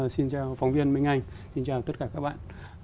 xin chào phóng viên minh anh xin chào tất cả các bạn